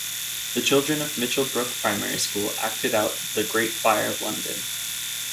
The children of Mitchell Brook Primary School acted out The Great Fire of London.